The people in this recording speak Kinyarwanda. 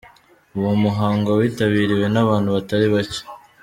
Uwo muhango witabiriwe n'abantu batari bake.